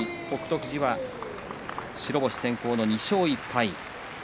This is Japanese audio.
富士は白星先行の２勝１敗。